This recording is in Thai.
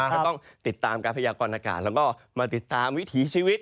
ก็ต้องติดตามการพยากรณากาศแล้วก็มาติดตามวิถีชีวิต